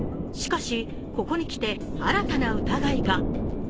しかし、ここに来て新たな疑いが。